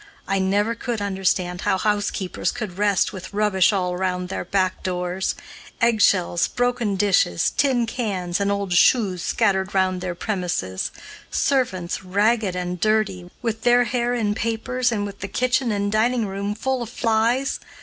I never could understand how housekeepers could rest with rubbish all round their back doors; eggshells, broken dishes, tin cans, and old shoes scattered round their premises; servants ragged and dirty, with their hair in papers, and with the kitchen and dining room full of flies.